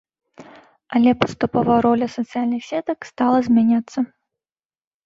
Але паступова роля сацыяльных сетак стала змяняцца.